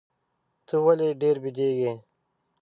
ته ولي ډېر بیدېږې؟